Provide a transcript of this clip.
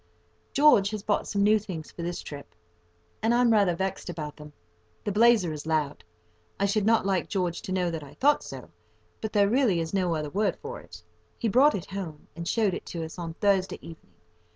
George has bought some new things for this trip, and I'm rather vexed about them. The blazer is loud. I should not like George to know that I thought so, but there really is no other word for it. He brought it home and showed it to us on Thursday evening.